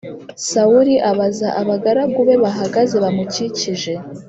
Sawuli abaza abagaragu be bahagaze bamukikije